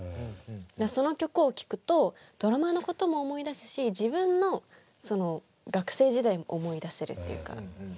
だからその曲を聴くとドラマのことも思い出すし自分の学生時代も思い出せるっていうか。